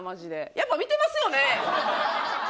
やっぱ見てますよね？